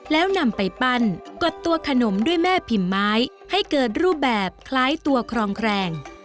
แล้วนำไปปั้นกดตัวขนมด้วยแม่พิมพ์ไม้ให้เกิดรูปแบบคล้ายตัวครองแคลง